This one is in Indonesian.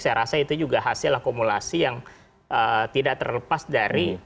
saya rasa itu juga hasil akumulasi yang tidak terlepas dari